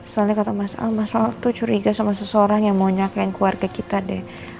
soalnya kata mas al mas al tuh curiga sama seseorang yang mau nyakain keluarga kita deh